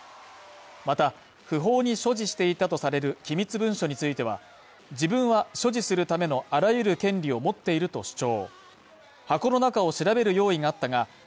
また、不法に所持していたとされる機密文書については自分は所持するためのあらゆる権利を持っていると主張。